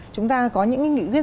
chúng ta có những nghị quyết